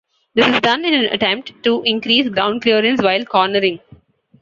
This was done in an attempt to increase ground clearance while cornering.